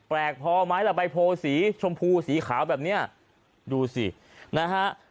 พอไหมล่ะใบโพสีชมพูสีขาวแบบเนี้ยดูสินะฮะ